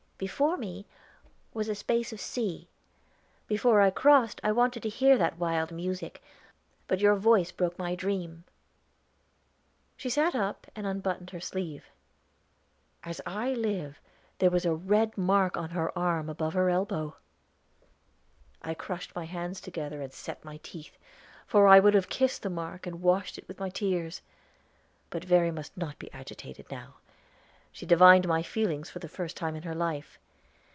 "Before me was a space of sea. Before I crossed I wanted to hear that wild music; but your voice broke my dream." She sat up and unbuttoned her sleeve. As I live, there was a red mark on her arm above her elbow! I crushed my hands together and set my teeth, for I would have kissed the mark and washed it with my tears. But Verry must not be agitated now. She divined my feelings for the first time in her life.